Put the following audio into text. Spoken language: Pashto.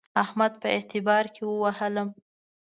احمد په اعتبار کې ووهلم.